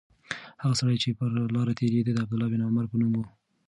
هغه سړی چې پر لاره تېرېده د عبدالله بن عمر په نوم و.